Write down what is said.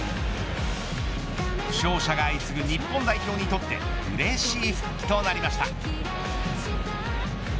負傷者が相次ぐ日本代表にとってうれしい復帰となりました。